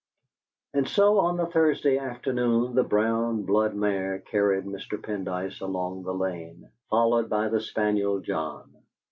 And so on the Thursday afternoon the brown blood mare carried Mr. Pendyce along the lane, followed by the spaniel John.